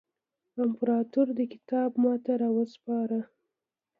امپراطور دا کتاب ماته را وسپاره.